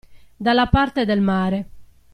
Dalla parte del mare.